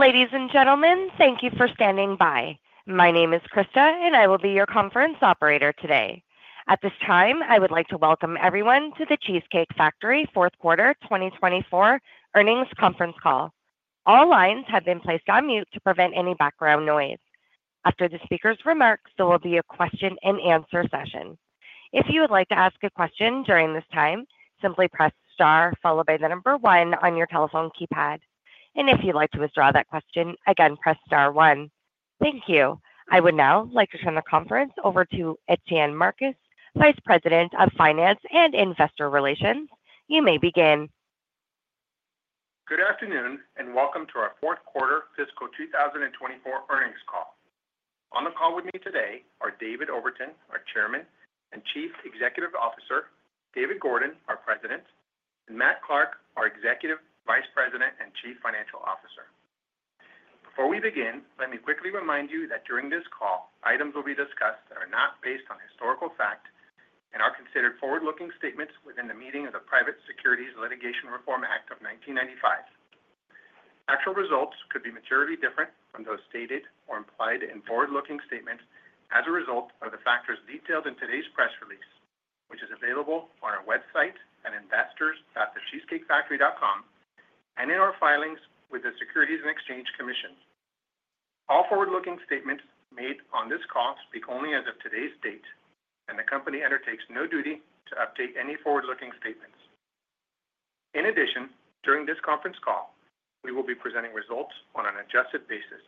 Ladies and gentlemen, thank you for standing by. My name is Krista, and I will be your conference operator today. At this time, I would like to welcome everyone to The Cheesecake Factory Q4 2024 Earnings Conference Call. All lines have been placed on mute to prevent any background noise. After the speaker's remarks, there will be a question-and-answer session. If you would like to ask a question during this time, simply press star followed by the number one on your telephone keypad. And if you'd like to withdraw that question, again, press star one. Thank you. I would now like to turn the conference over to Etienne Marcus, Vice President of Finance and Investor Relations. You may begin. Good afternoon, and welcome to our Q4 Fiscal 2024 Earnings Call. On the call with me today are David Overton, our Chairman and Chief Executive Officer, David Gordon, our President, and Matt Clark, our Executive Vice President and Chief Financial Officer. Before we begin, let me quickly remind you that during this call, items will be discussed that are not based on historical fact and are considered forward-looking statements within the meaning of the Private Securities Litigation Reform Act of 1995. Actual results could be materially different from those stated or implied in forward-looking statements as a result of the factors detailed in today's press release, which is available on our website at investors.thecheesecakefactory.com and in our filings with the Securities and Exchange Commission. All forward-looking statements made on this call speak only as of today's date, and the company undertakes no duty to update any forward-looking statements. In addition, during this conference call, we will be presenting results on an adjusted basis,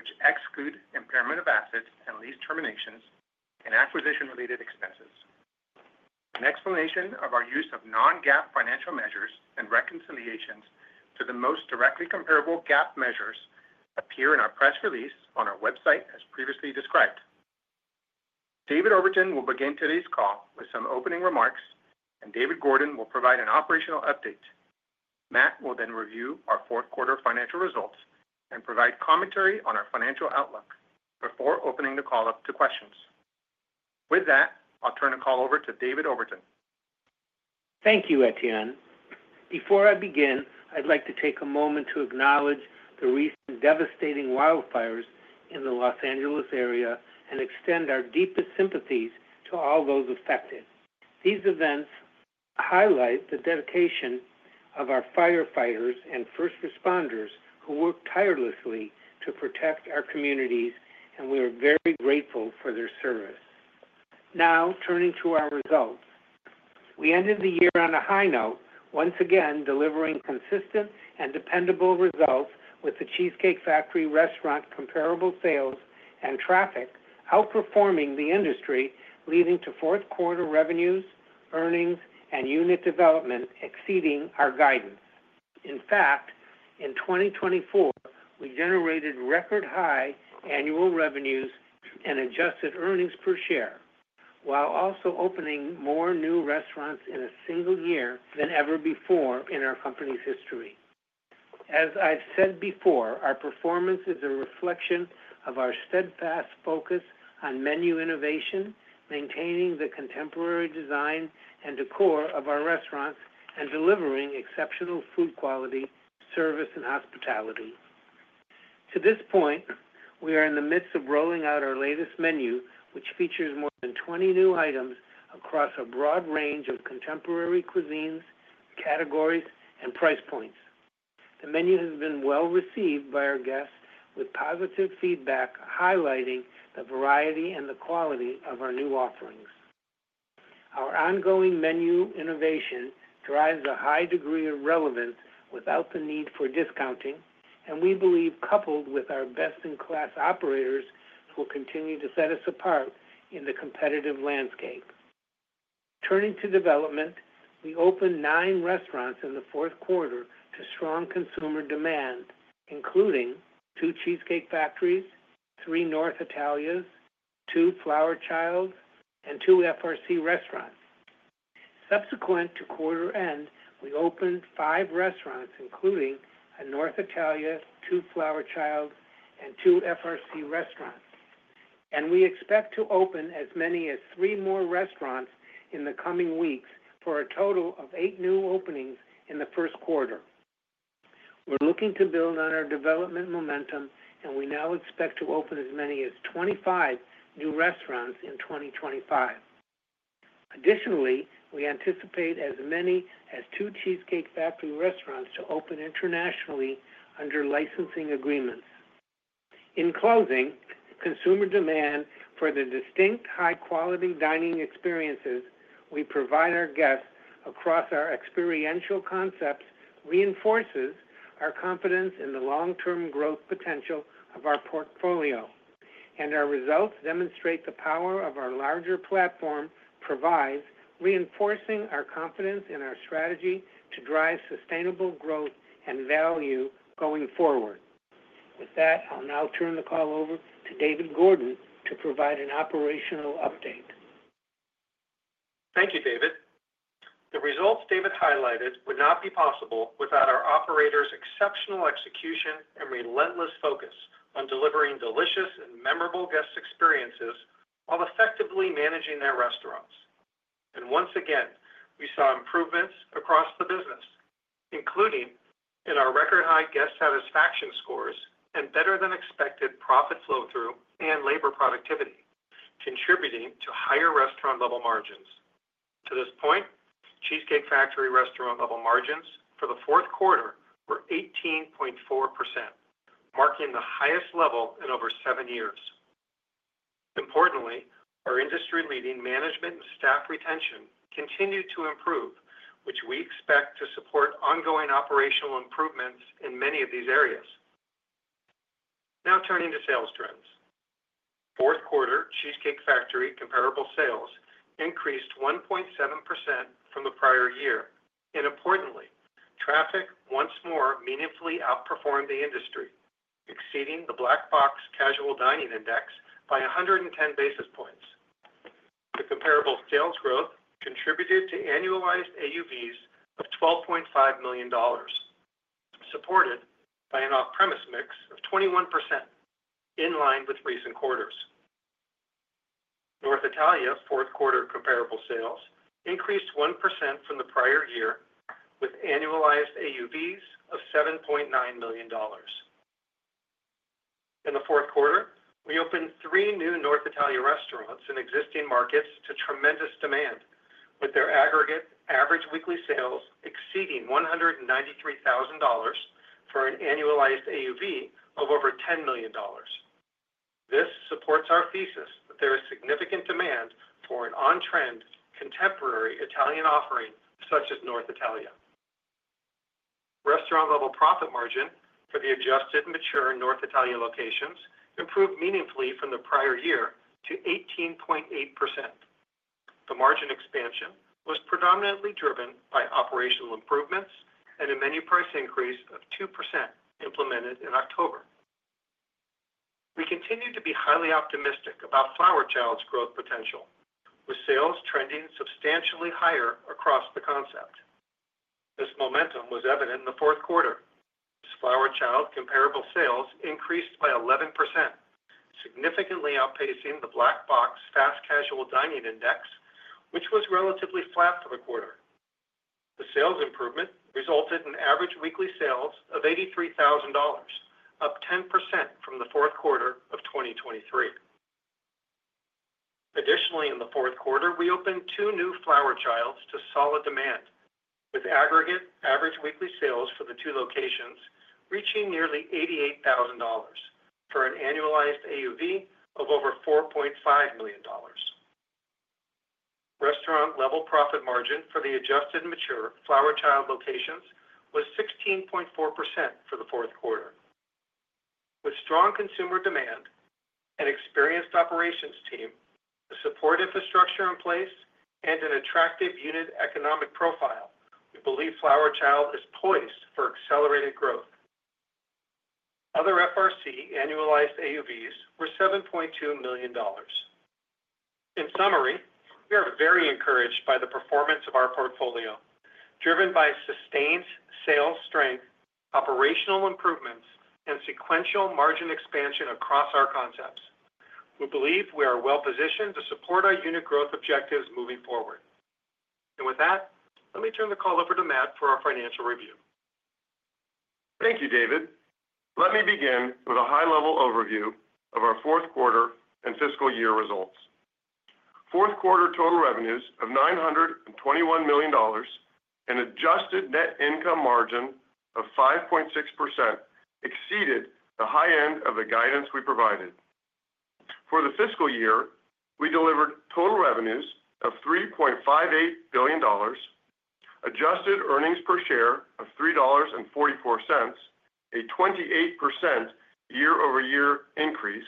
which exclude impairment of assets and lease terminations and acquisition-related expenses. An explanation of our use of non-GAAP financial measures and reconciliations to the most directly comparable GAAP measures appears in our press release on our website as previously described. David Overton will begin today's call with some opening remarks, and David Gordon will provide an operational update. Matt will then review our Q4 financial results and provide commentary on our financial outlook before opening the call up to questions. With that, I'll turn the call over to David Overton. Thank you, Etienne. Before I begin, I'd like to take a moment to acknowledge the recent devastating wildfires in the Los Angeles area and extend our deepest sympathies to all those affected. These events highlight the dedication of our firefighters and first responders who work tirelessly to protect our communities, and we are very grateful for their service. Now, turning to our results, we ended the year on a high note, once again delivering consistent and dependable results with The Cheesecake Factory restaurant comparable sales and traffic, outperforming the industry, leading to Q4 revenues, earnings, and unit development exceeding our guidance. In fact, in 2024, we generated record high annual revenues and adjusted earnings per share, while also opening more new restaurants in a single year than ever before in our company's history. As I've said before, our performance is a reflection of our steadfast focus on menu innovation, maintaining the contemporary design and decor of our restaurants, and delivering exceptional food quality, service, and hospitality. To this point, we are in the midst of rolling out our latest menu, which features more than 20 new items across a broad range of contemporary cuisines, categories, and price points. The menu has been well received by our guests, with positive feedback highlighting the variety and the quality of our new offerings. Our ongoing menu innovation drives a high degree of relevance without the need for discounting, and we believe coupled with our best-in-class operators will continue to set us apart in the competitive landscape. Turning to development, we opened nine restaurants in the Q4 to strong consumer demand, including two Cheesecake Factories, three North Italias, two Flower Childs, and two FRC restaurants. Subsequent to quarter end, we opened five restaurants, including a North Italia, two Flower Childs, and two FRC restaurants. We expect to open as many as three more restaurants in the coming weeks for a total of eight new openings in the Q1. We're looking to build on our development momentum, and we now expect to open as many as 25 new restaurants in 2025. Additionally, we anticipate as many as two Cheesecake Factory restaurants to open internationally under licensing agreements. In closing, consumer demand for the distinct high-quality dining experiences we provide our guests across our experiential concepts reinforces our confidence in the long-term growth potential of our portfolio. Our results demonstrate the power of our larger platform provides, reinforcing our confidence in our strategy to drive sustainable growth and value going forward. With that, I'll now turn the call over to David Gordon to provide an operational update. Thank you, David. The results David highlighted would not be possible without our operators' exceptional execution and relentless focus on delivering delicious and memorable guest experiences while effectively managing their restaurants. And once again, we saw improvements across the business, including in our record high guest satisfaction scores and better than expected profit flow through and labor productivity, contributing to higher restaurant-level margins. To this point, Cheesecake Factory restaurant-level margins for the Q4 were 18.4%, marking the highest level in over seven years. Importantly, our industry-leading management and staff retention continued to improve, which we expect to support ongoing operational improvements in many of these areas. Now turning to sales trends, Q4 Cheesecake Factory comparable sales increased 1.7% from the prior year, and importantly, traffic once more meaningfully outperformed the industry, exceeding the Black Box Casual Dining Index by 110 basis points. The comparable sales growth contributed to annualized AUVs of $12.5 million, supported by an off-premise mix of 21%, in line with recent quarters. North Italia Q4 comparable sales increased 1% from the prior year, with annualized AUVs of $7.9 million. In the Q4, we opened three new North Italia restaurants in existing markets to tremendous demand, with their aggregate average weekly sales exceeding $193,000 for an annualized AUV of over $10 million. This supports our thesis that there is significant demand for an on-trend contemporary Italian offering such as North Italia. Restaurant-level profit margin for the adjusted mature North Italia locations improved meaningfully from the prior year to 18.8%. The margin expansion was predominantly driven by operational improvements and a menu price increase of 2% implemented in October. We continue to be highly optimistic about Flower Child's growth potential, with sales trending substantially higher across the concept. This momentum was evident in the Q4 as Flower Child comparable sales increased by 11%, significantly outpacing the Black Box Fast Casual Dining Index, which was relatively flat for the quarter. The sales improvement resulted in average weekly sales of $83,000, up 10% from the Q4 of 2023. Additionally, in the Q4, we opened two new Flower Childs to solid demand, with aggregate average weekly sales for the two locations reaching nearly $88,000 for an annualized AUV of over $4.5 million. Restaurant-level profit margin for the adjusted mature Flower Child locations was 16.4% for the Q4. With strong consumer demand, an experienced operations team, a support infrastructure in place, and an attractive unit economic profile, we believe Flower Child is poised for accelerated growth. Other FRC annualized AUVs were $7.2 million. In summary, we are very encouraged by the performance of our portfolio, driven by sustained sales strength, operational improvements, and sequential margin expansion across our concepts. We believe we are well positioned to support our unit growth objectives moving forward. And with that, let me turn the call over to Matt for our financial review. Thank you, David. Let me begin with a high-level overview of our Q4 and fiscal year results. Q4 total revenues of $921 million and adjusted net income margin of 5.6% exceeded the high end of the guidance we provided. For the fiscal year, we delivered total revenues of $3.58 billion, adjusted earnings per share of $3.44, a 28% year-over-year increase,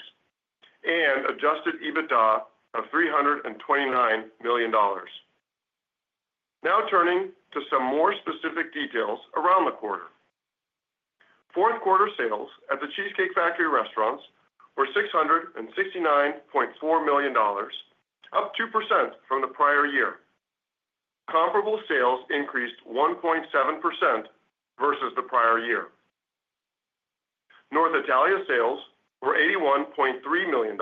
and Adjusted EBITDA of $329 million. Now turning to some more specific details around the quarter. Q4 sales at The Cheesecake Factory restaurants were $669.4 million, up 2% from the prior year. Comparable sales increased 1.7% versus the prior year. North Italia sales were $81.3 million,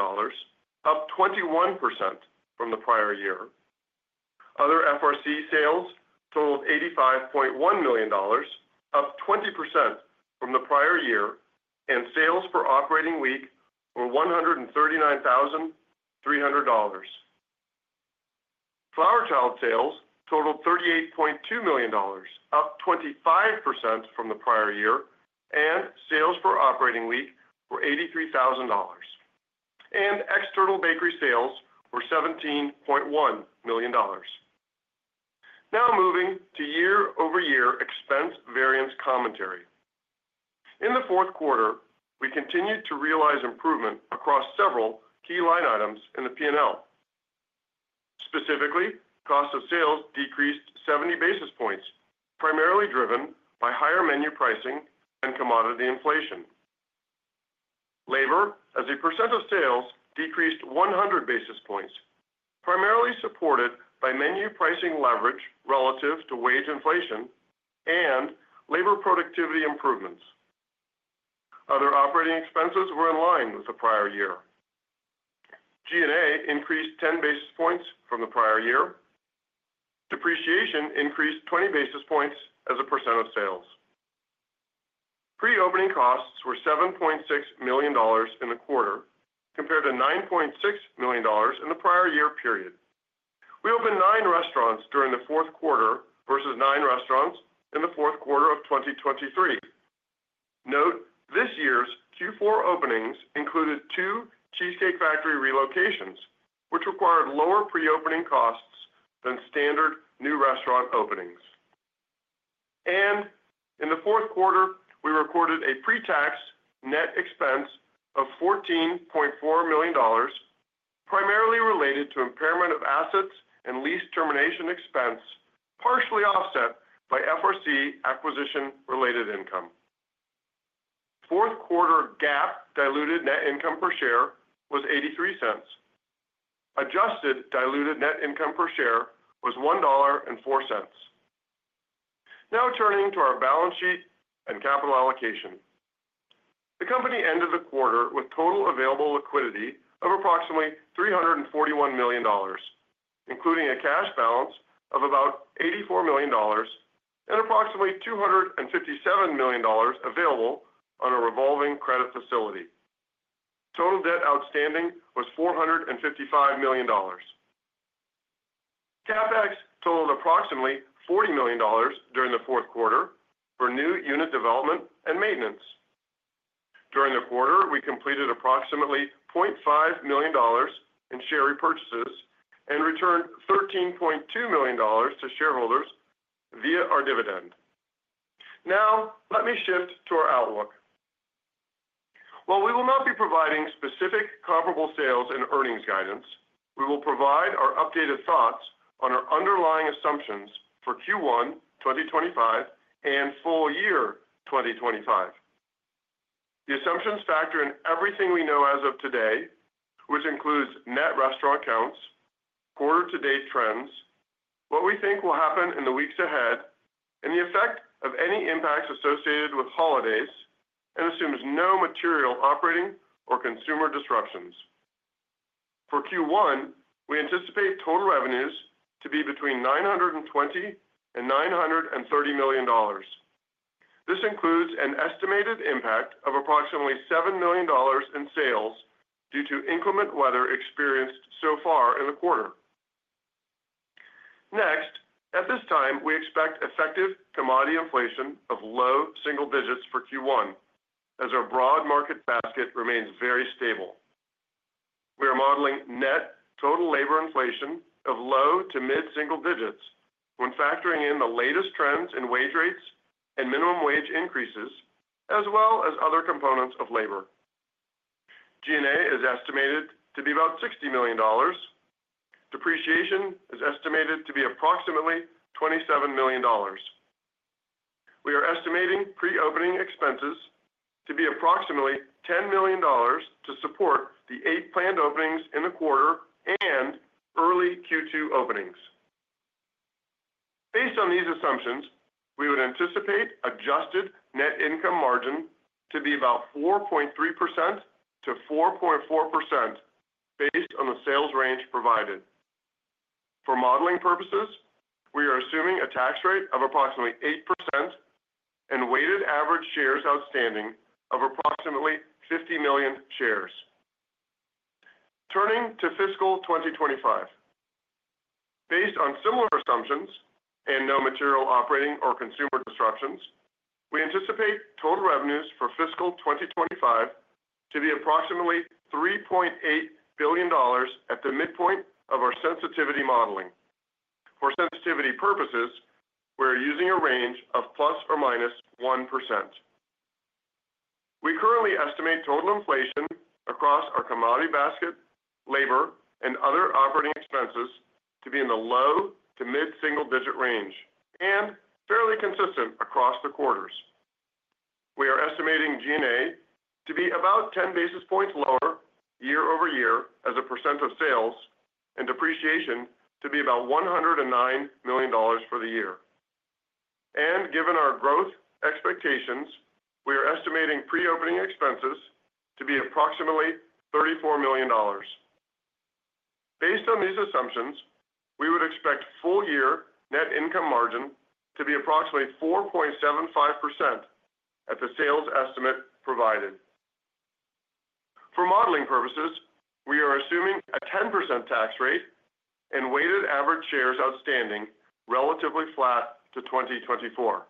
up 21% from the prior year. Other FRC sales totaled $85.1 million, up 20% from the prior year, and sales for operating week were $139,300. Flower Child sales totaled $38.2 million, up 25% from the prior year, and sales for operating week were $83,000. External bakery sales were $17.1 million. Now moving to year-over-year expense variance commentary. In the Q4, we continued to realize improvement across several key line items in the P&L. Specifically, cost of sales decreased 70 basis points, primarily driven by higher menu pricing and commodity inflation. Labor as a percent of sales decreased 100 basis points, primarily supported by menu pricing leverage relative to wage inflation and labor productivity improvements. Other operating expenses were in line with the prior year. G&A increased 10 basis points from the prior year. Depreciation increased 20 basis points as a percent of sales. Pre-opening costs were $7.6 million in the quarter, compared to $9.6 million in the prior year period. We opened nine restaurants during the Q4 versus nine restaurants in the Q4 of 2023. Note this year's Q4 openings included two Cheesecake Factory relocations, which required lower pre-opening costs than standard new restaurant openings. In the Q4, we recorded a pre-tax net expense of $14.4 million, primarily related to impairment of assets and lease termination expense, partially offset by FRC acquisition-related income. Q4 GAAP diluted net income per share was $0.83. Adjusted diluted net income per share was $1.04. Now turning to our balance sheet and capital allocation. The company ended the quarter with total available liquidity of approximately $341 million, including a cash balance of about $84 million and approximately $257 million available on a revolving credit facility. Total debt outstanding was $455 million. CapEx totaled approximately $40 million during the Q4 for new unit development and maintenance. During the quarter, we completed approximately $0.5 million in share repurchases and returned $13.2 million to shareholders via our dividend. Now let me shift to our outlook. While we will not be providing specific comparable sales and earnings guidance, we will provide our updated thoughts on our underlying assumptions for Q1 2025 and full year 2025. The assumptions factor in everything we know as of today, which includes net restaurant count, quarter-to-date trends, what we think will happen in the weeks ahead, and the effect of any impacts associated with holidays, and assumes no material operating or consumer disruptions. For Q1, we anticipate total revenues to be between $920 and $930 million. This includes an estimated impact of approximately $7 million in sales due to inclement weather experienced so far in the quarter. Next, at this time, we expect effective commodity inflation of low single digits for Q1, as our broad market basket remains very stable. We are modeling net total labor inflation of low to mid-single digits when factoring in the latest trends in wage rates and minimum wage increases, as well as other components of labor. G&A is estimated to be about $60 million. Depreciation is estimated to be approximately $27 million. We are estimating pre-opening expenses to be approximately $10 million to support the eight planned openings in the quarter and early Q2 openings. Based on these assumptions, we would anticipate adjusted net income margin to be about 4.3% to 4.4% based on the sales range provided. For modeling purposes, we are assuming a tax rate of approximately 8% and weighted average shares outstanding of approximately 50 million shares. Turning to fiscal 2025, based on similar assumptions and no material operating or consumer disruptions, we anticipate total revenues for fiscal 2025 to be approximately $3.8 billion at the midpoint of our sensitivity modeling. For sensitivity purposes, we are using a range of ±1%. We currently estimate total inflation across our commodity basket, labor, and other operating expenses to be in the low to mid-single digit range and fairly consistent across the quarters. We are estimating G&A to be about 10 basis points lower year-over-year as a percent of sales and depreciation to be about $109 million for the year. Given our growth expectations, we are estimating pre-opening expenses to be approximately $34 million. Based on these assumptions, we would expect full year net income margin to be approximately 4.75% at the sales estimate provided. For modeling purposes, we are assuming a 10% tax rate and weighted average shares outstanding relatively flat to 2024.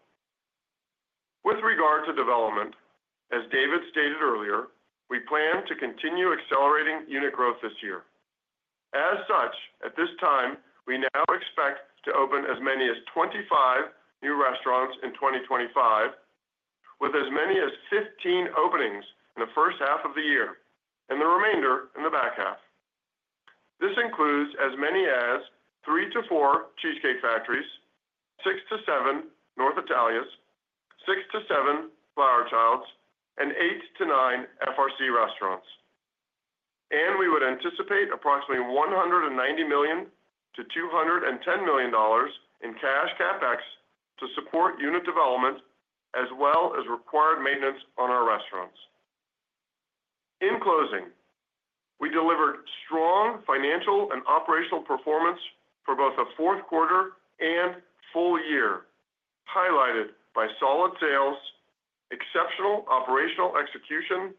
With regard to development, as David stated earlier, we plan to continue accelerating unit growth this year. As such, at this time, we now expect to open as many as 25 new restaurants in 2025, with as many as 15 openings in the first half of the year and the remainder in the back half. This includes as many as three to four Cheesecake Factories, six to seven North Italias, six to seven Flower Childs, and eight to nine FRC restaurants. We would anticipate approximately $190 to 210 million in cash CapEx to support unit development as well as required maintenance on our restaurants. In closing, we delivered strong financial and operational performance for both the Q4 and full year, highlighted by solid sales, exceptional operational execution,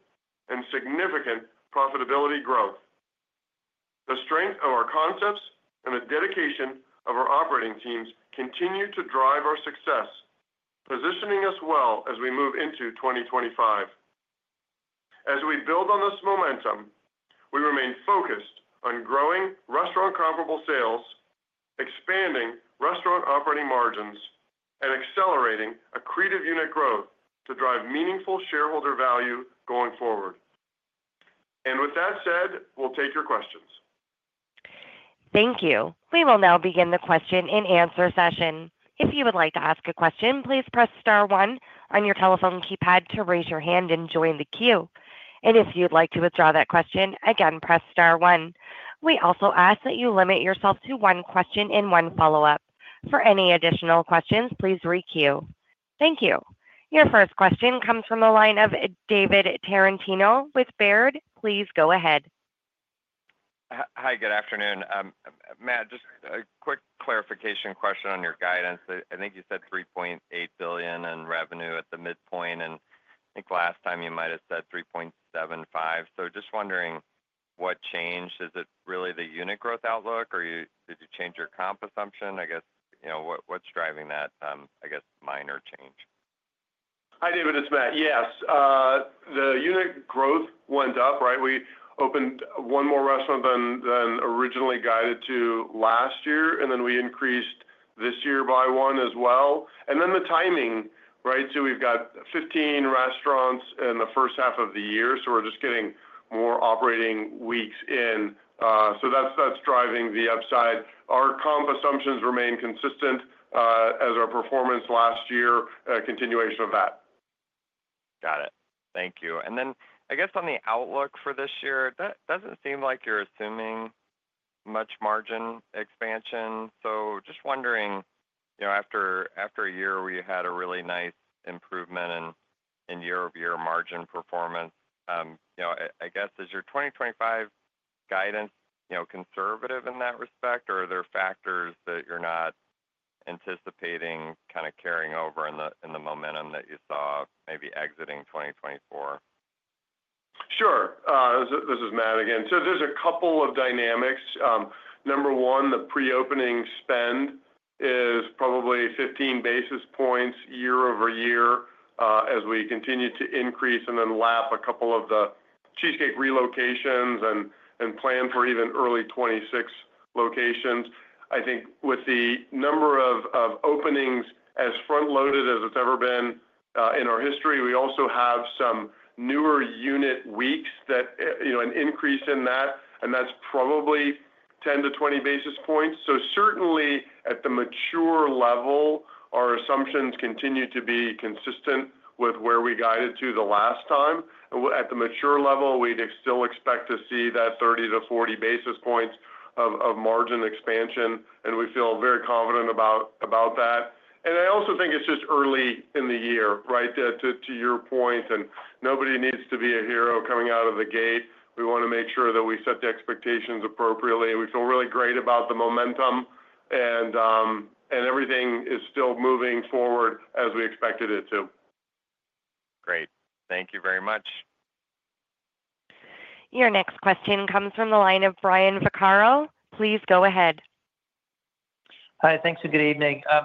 and significant profitability growth. The strength of our concepts and the dedication of our operating teams continue to drive our success, positioning us well as we move into 2025. As we build on this momentum, we remain focused on growing restaurant comparable sales, expanding restaurant operating margins, and accelerating accretive unit growth to drive meaningful shareholder value going forward. With that said, we'll take your questions. Thank you. We will now begin the question and answer session. If you would like to ask a question, please press star one on your telephone keypad to raise your hand and join the queue, and if you'd like to withdraw that question, again, press star one. We also ask that you limit yourself to one question and one follow-up. For any additional questions, please re-queue. Thank you. Your first question comes from the line of David Tarantino with Baird. Please go ahead. Hi, good afternoon. Matt, just a quick clarification question on your guidance. I think you said $3.8 billion in revenue at the midpoint, and I think last time you might have said $3.75. So just wondering what changed. Is it really the unit growth outlook, or did you change your comp assumption? I guess what's driving that, I guess, minor change? Hi, David. It's Matt. Yes, the unit growth went up, right? We opened one more restaurant than originally guided to last year, and then we increased this year by one as well. And then the timing, right? So we've got 15 restaurants in the first half of the year, so we're just getting more operating weeks in. So that's driving the upside. Our comp assumptions remain consistent as our performance last year, continuation of that. Got it. Thank you, and then I guess on the outlook for this year, that doesn't seem like you're assuming much margin expansion. So just wondering, after a year where you had a really nice improvement in year-over-year margin performance, I guess, is your 2025 guidance conservative in that respect, or are there factors that you're not anticipating kind of carrying over in the momentum that you saw maybe exiting 2024? Sure. This is Matt again. So there's a couple of dynamics. Number one, the pre-opening spend is probably 15 basis points year-over-year as we continue to increase and then lap a couple of the Cheesecake relocations and plan for even early 2026 locations. I think with the number of openings as front-loaded as it's ever been in our history, we also have some newer unit weeks that an increase in that, and that's probably 10 to 20 basis points. So certainly at the mature level, our assumptions continue to be consistent with where we guided to the last time. At the mature level, we'd still expect to see that 30 to 40 basis points of margin expansion, and we feel very confident about that. And I also think it's just early in the year, right, to your point, and nobody needs to be a hero coming out of the gate. We want to make sure that we set the expectations appropriately. We feel really great about the momentum, and everything is still moving forward as we expected it to. Great. Thank you very much. Your next question comes from the line of Brian Vaccaro. Please go ahead. Hi, thanks. Good evening. I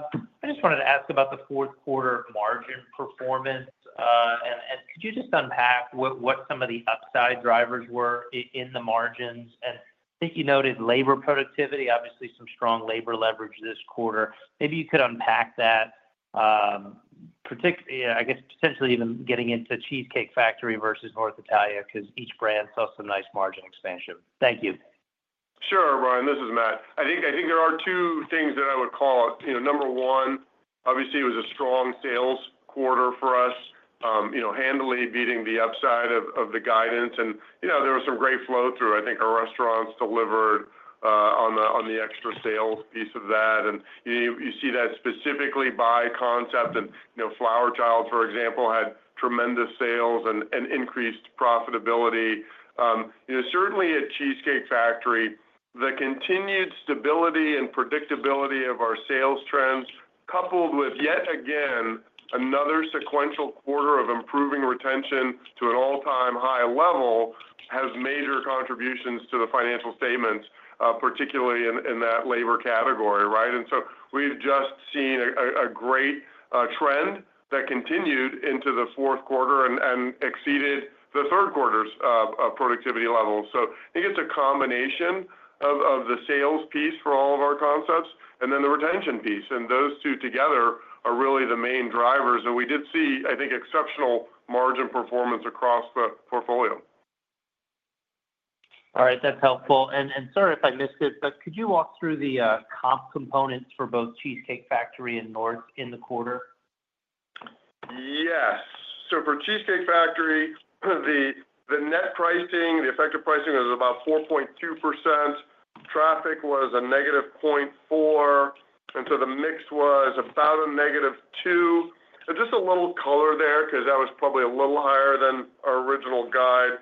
just wanted to ask about the Q4 margin performance, and could you just unpack what some of the upside drivers were in the margins? And I think you noted labor productivity, obviously some strong labor leverage this quarter. Maybe you could unpack that, I guess, potentially even getting into Cheesecake Factory versus North Italia because each brand saw some nice margin expansion. Thank you. Sure, Ryan. This is Matt. I think there are two things that I would call out. Number one, obviously, it was a strong sales quarter for us, handily beating the upside of the guidance. And there was some great flow through. I think our restaurants delivered on the extra sales piece of that. And you see that specifically by concept. And Flower Child, for example, had tremendous sales and increased profitability. Certainly, at Cheesecake Factory, the continued stability and predictability of our sales trends, coupled with yet again another sequential quarter of improving retention to an all-time high level, has major contributions to the financial statements, particularly in that labor category, right? And so we've just seen a great trend that continued into the Q4 and exceeded the Q3's productivity levels. I think it's a combination of the sales piece for all of our concepts and then the retention piece. Those two together are really the main drivers. We did see, I think, exceptional margin performance across the portfolio. All right. That's helpful. And sorry if I missed it, but could you walk through the comp components for both Cheesecake Factory and North in the quarter? Yes. So for Cheesecake Factory, the net pricing, the effective pricing was about 4.2%. Traffic was a -0.4%, and so the mix was about a -2%. Just a little color there because that was probably a little higher than our original guide.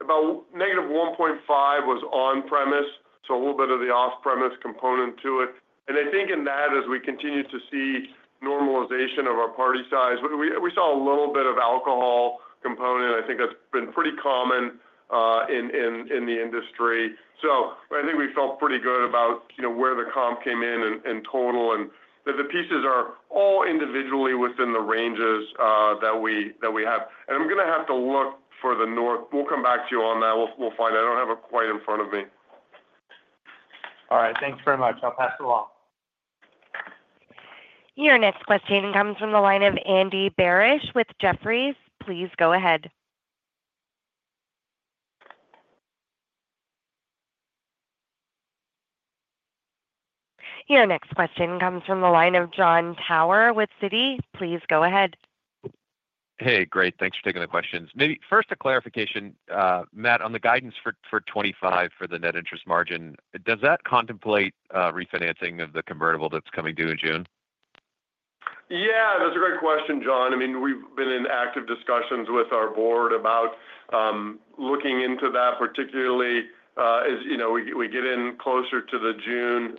About -1.5% was on-premise, so a little bit of the off-premise component to it. And I think in that, as we continue to see normalization of our party size, we saw a little bit of alcohol component. I think that's been pretty common in the industry. So I think we felt pretty good about where the comp came in and total and that the pieces are all individually within the ranges that we have. And I'm going to have to look for the North Italia. We'll come back to you on that. We'll find it. I don't have it quite in front of me. All right. Thanks very much. I'll pass it along. Your next question comes from the line of Andy Barish with Jefferies. Please go ahead. Your next question comes from the line of Jon Tower with Citi. Please go ahead. Hey, great. Thanks for taking the questions. Maybe first a clarification, Matt, on the guidance for 2025 for the net interest margin. Does that contemplate refinancing of the convertible that's coming due in June? Yeah, that's a great question, Jon. I mean, we've been in active discussions with our board about looking into that, particularly as we get in closer to the June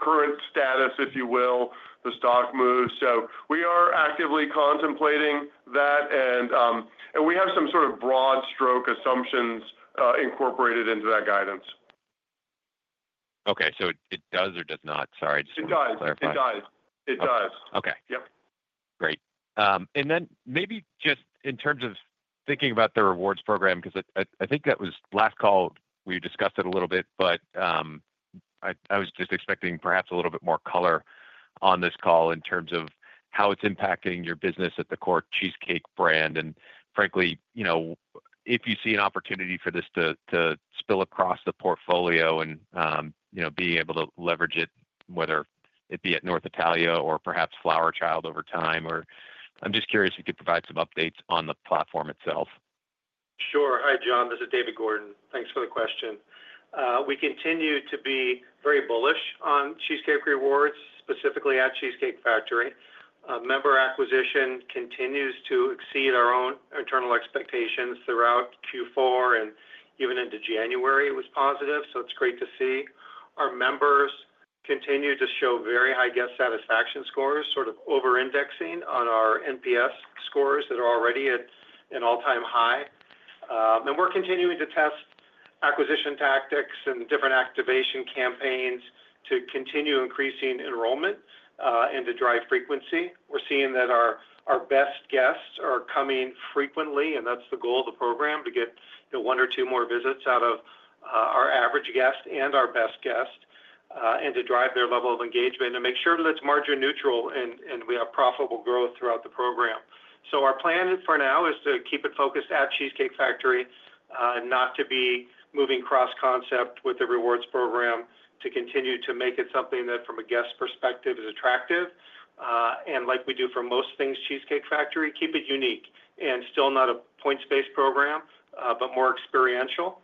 current status, if you will, the stock moves. So we are actively contemplating that, and we have some sort of broad stroke assumptions incorporated into that guidance. Okay. So it does or does not? Sorry, just to clarify. It does. It does. Okay. Great. And then maybe just in terms of thinking about the rewards program, because I think that was last call, we discussed it a little bit, but I was just expecting perhaps a little bit more color on this call in terms of how it's impacting your business at the core Cheesecake brand. And frankly, if you see an opportunity for this to spill across the portfolio and being able to leverage it, whether it be at North Italia or perhaps Flower Child over time, or I'm just curious if you could provide some updates on the platform itself. Sure. Hi, Jon. This is David Gordon. Thanks for the question. We continue to be very bullish on Cheesecake Rewards, specifically at Cheesecake Factory. Member acquisition continues to exceed our own internal expectations throughout Q4, and even into January, it was positive, so it's great to see our members continue to show very high guest satisfaction scores, sort of over-indexing on our NPS scores that are already at an all-time high, and we're continuing to test acquisition tactics and different activation campaigns to continue increasing enrollment and to drive frequency. We're seeing that our best guests are coming frequently, and that's the goal of the program, to get one or two more visits out of our average guest and our best guest and to drive their level of engagement and to make sure that it's margin-neutral and we have profitable growth throughout the program. Our plan for now is to keep it focused at Cheesecake Factory and not to be moving cross-concept with the rewards program to continue to make it something that from a guest perspective is attractive. Like we do for most things Cheesecake Factory, keep it unique and still not a points-based program, but more experiential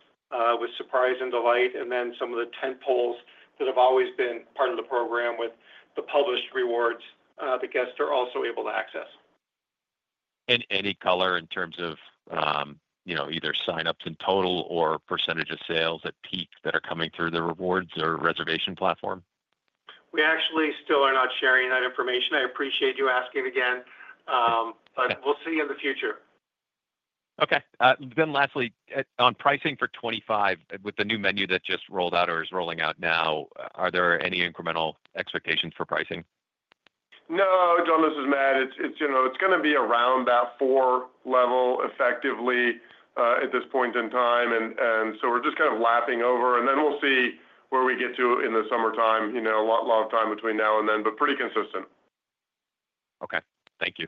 with surprise and delight, and then some of the tentpoles that have always been part of the program with the published rewards the guests are also able to access. Any color in terms of either sign-ups in total or percentage of sales at peak that are coming through the rewards or reservation platform? We actually still are not sharing that information. I appreciate you asking again, but we'll see you in the future. Okay. Then lastly, on pricing for 2025, with the new menu that just rolled out or is rolling out now, are there any incremental expectations for pricing? No, Jon, this is Matt. It's going to be around that four level effectively at this point in time. And so we're just kind of lapping over, and then we'll see where we get to in the summertime, a lot of time between now and then, but pretty consistent. Okay. Thank you.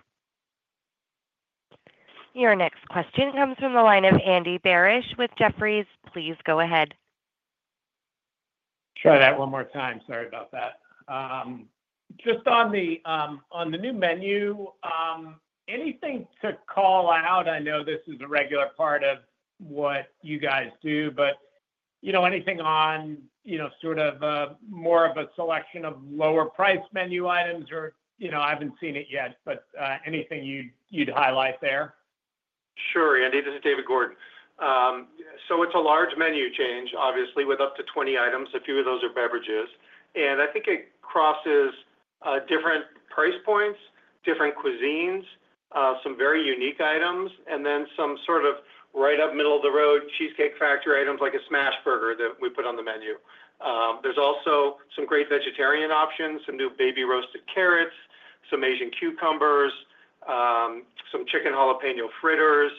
Your next question comes from the line of Andy Barish with Jefferies. Please go ahead. Try that one more time. Sorry about that. Just on the new menu, anything to call out? I know this is a regular part of what you guys do, but anything on sort of more of a selection of lower-priced menu items, or I haven't seen it yet, but anything you'd highlight there? Sure, Andy. This is David Gordon. So it's a large menu change, obviously, with up to 20 items. A few of those are beverages. And I think it crosses different price points, different cuisines, some very unique items, and then some sort of right up middle of the road Cheesecake Factory items like a smash burger that we put on the menu. There's also some great vegetarian options, some new baby roasted carrots, some Asian cucumbers, some chicken jalapeño fritters.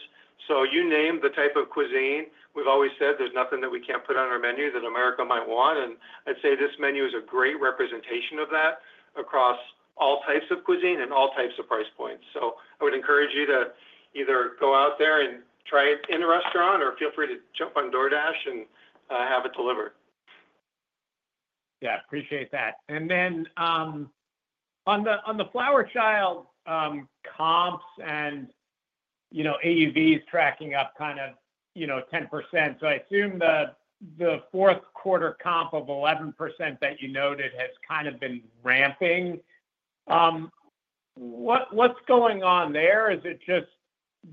So you name the type of cuisine. We've always said there's nothing that we can't put on our menu that America might want. And I'd say this menu is a great representation of that across all types of cuisine and all types of price points. So I would encourage you to either go out there and try it in a restaurant or feel free to jump on DoorDash and have it delivered. Yeah, appreciate that. And then on the Flower Child comps and AUVs tracking up kind of 10%. So I assume the Q4 comp of 11% that you noted has kind of been ramping. What's going on there? Is it just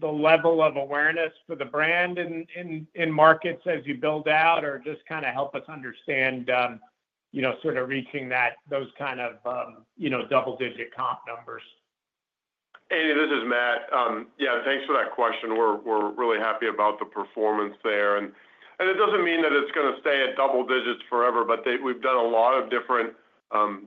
the level of awareness for the brand in markets as you build out or just kind of help us understand sort of reaching those kind of double-digit comp numbers? Andy, this is Matt. Yeah, thanks for that question. We're really happy about the performance there. And it doesn't mean that it's going to stay at double digits forever, but we've done a lot of different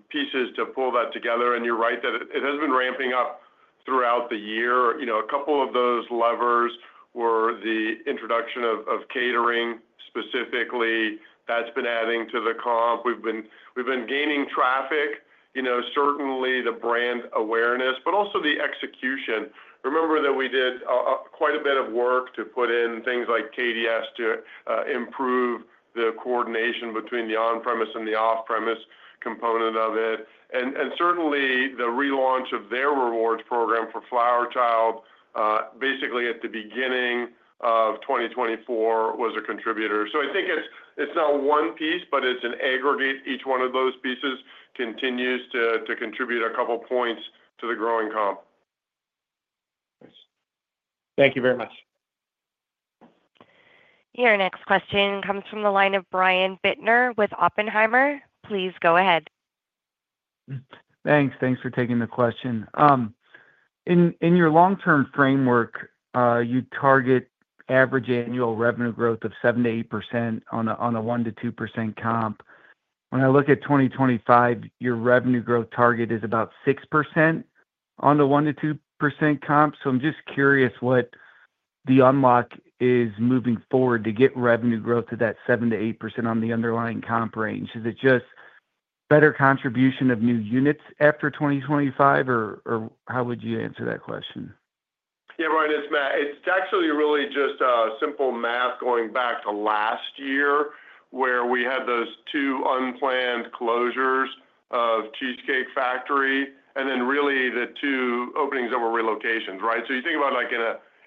pieces to pull that together. And you're right that it has been ramping up throughout the year. A couple of those levers were the introduction of catering specifically. That's been adding to the comp. We've been gaining traffic, certainly the brand awareness, but also the execution. Remember that we did quite a bit of work to put in things like KDS to improve the coordination between the on-premise and the off-premise component of it. And certainly the relaunch of their rewards program for Flower Child, basically at the beginning of 2024, was a contributor. So I think it's not one piece, but it's an aggregate. Each one of those pieces continues to contribute a couple of points to the growing comp. Thank you very much. Your next question comes from the line of Brian Bittner with Oppenheimer. Please go ahead. Thanks. Thanks for taking the question. In your long-term framework, you target average annual revenue growth of 7% to 8% on a 1% to 2% comp. When I look at 2025, your revenue growth target is about 6% on the 1% to 2% comp. So I'm just curious what the unlock is moving forward to get revenue growth to that 7% to 8% on the underlying comp range. Is it just better contribution of new units after 2025, or how would you answer that question? Yeah, Brian, it's Matt. It's actually really just a simple math going back to last year where we had those two unplanned closures of Cheesecake Factory and then really the two openings of our relocations, right? So you think about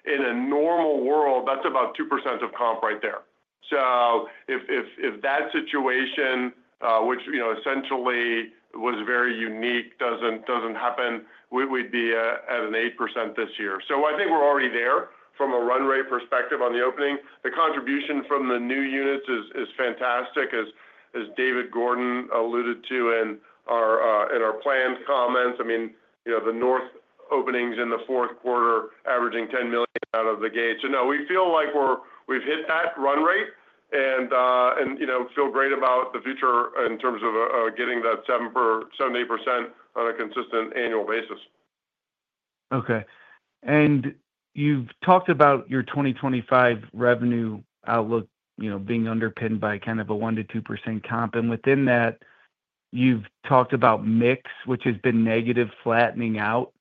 in a normal world, that's about 2% of comp right there. So if that situation, which essentially was very unique, doesn't happen, we'd be at an 8% this year. So I think we're already there from a run rate perspective on the opening. The contribution from the new units is fantastic, as David Gordon alluded to in our planned comments. I mean, the North Italia openings in the Q4 averaging $10 million out of the gate. So no, we feel like we've hit that run rate and feel great about the future in terms of getting that 7% to 8% on a consistent annual basis. Okay. And you've talked about your 2025 revenue outlook being underpinned by kind of a 1% to 2% comp. And within that, you've talked about mix, which has been negative flattening out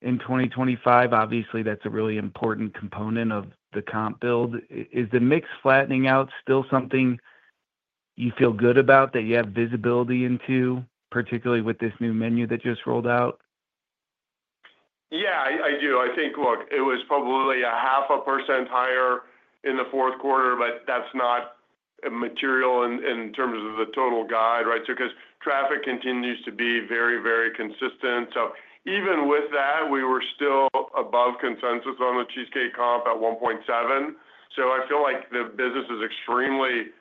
in 2025. Obviously, that's a really important component of the comp build. Is the mix flattening out still something you feel good about that you have visibility into, particularly with this new menu that just rolled out? Yeah, I do. I think, look, it was probably 0.5% higher in the Q4, but that's not material in terms of the total guide, right? Because traffic continues to be very, very consistent. So even with that, we were still above consensus on the Cheesecake comp at 1.7%. So I feel like the business is extremely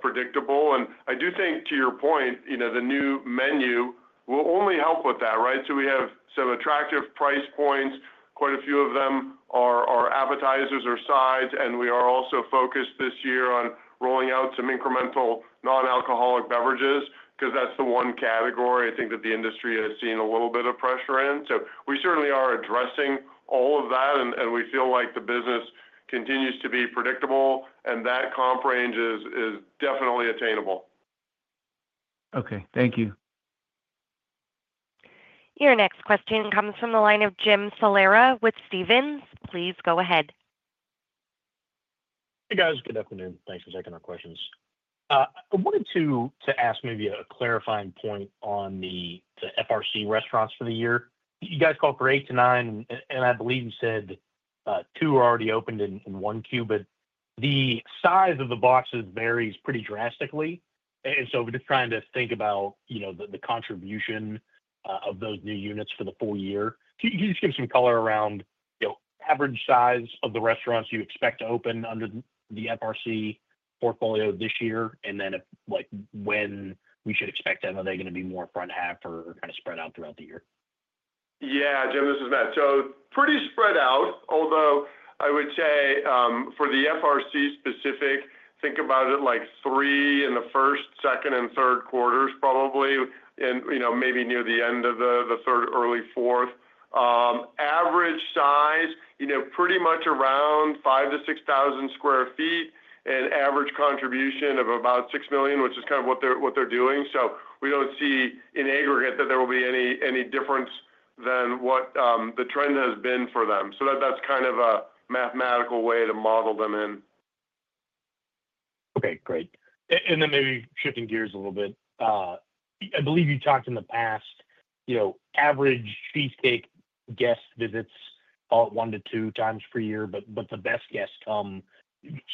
predictable. And I do think, to your point, the new menu will only help with that, right? So we have some attractive price points. Quite a few of them are appetizers or sides. And we are also focused this year on rolling out some incremental non-alcoholic beverages because that's the one category I think that the industry has seen a little bit of pressure in. So we certainly are addressing all of that, and we feel like the business continues to be predictable, and that comp range is definitely attainable. Okay. Thank you. Your next question comes from the line of Jim Salera with Stephens. Please go ahead. Hey, guys. Good afternoon. Thanks for taking our questions. I wanted to ask maybe a clarifying point on the FRC restaurants for the year. You guys called for eight to nine, and I believe you said two are already opened and one queued. The size of the boxes varies pretty drastically. And so we're just trying to think about the contribution of those new units for the full year. Can you just give some color around average size of the restaurants you expect to open under the FRC portfolio this year and then when we should expect them? Are they going to be more front half or kind of spread out throughout the year? Yeah, Jim, this is Matt. So pretty spread out, although I would say for the FRC specific, think about it like three in the Q1, Q2, and Q3s, probably, and maybe near the end of the third, early fourth. Average size, pretty much around 5,000 to 6,000sq ft and average contribution of about $6 million, which is kind of what they're doing. So we don't see in aggregate that there will be any difference than what the trend has been for them. So that's kind of a mathematical way to model them in. Okay. Great. And then maybe shifting gears a little bit. I believe you talked in the past, average Cheesecake guest visits are one to two times per year, but the best guests come